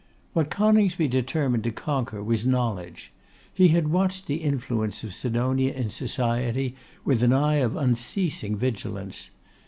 What Coningsby determined to conquer was knowledge. He had watched the influence of Sidonia in society with an eye of unceasing vigilance.